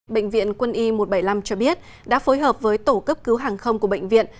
bệnh viện quân y một trăm bảy mươi năm cho biết đã phối hợp với tổ cấp cứu hàng không của bệnh viện